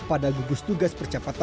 pada gugus tugas percapatannya